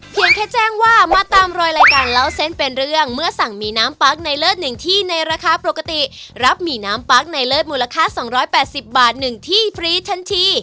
เพียงแค่แจ้งว่ามาตามรอยรายการเล่าเส้นเป็นเรื่องเมื่อสั่งหมี่น้ำปั๊กในเลิศ๑ที่ในราคาปกติรับหมี่น้ำปั๊กในเลิศมูลค่า๒๘๐บาท๑ที่ฟรีทันที